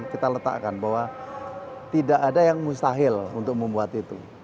kita letakkan bahwa tidak ada yang mustahil untuk membuat itu